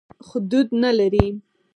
خو دود نه لري.